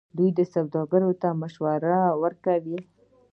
دوی سوداګرو ته مشورې ورکوي.